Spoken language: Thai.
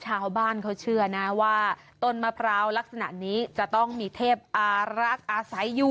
ชาวบ้านเขาเชื่อนะว่าต้นมะพร้าวลักษณะนี้จะต้องมีเทพอารักษ์อาศัยอยู่